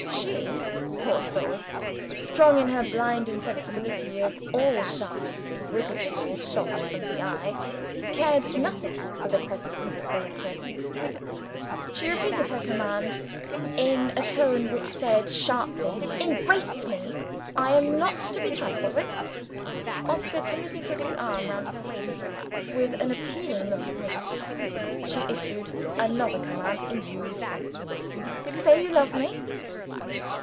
She, poor soul, strong in her blind insensibility to all shafts of ridicule shot from the eye, cared nothing for the presence of a third person. She repeated her commands, in a tone which said sharply, "Embrace me I am not to be trifled with." Oscar timidly put his arm round her waist with an appealing look at me. She issued another command instantly. "Say you love me."